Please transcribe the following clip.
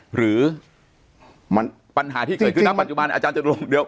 หรือปัญหาที่เกิดขึ้นในปัจจุบันอาจารย์จังหลง